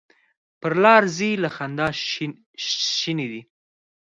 پر لار ځي له خندا شینې دي.